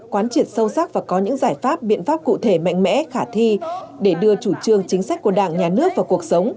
quán triệt sâu sắc và có những giải pháp biện pháp cụ thể mạnh mẽ khả thi để đưa chủ trương chính sách của đảng nhà nước vào cuộc sống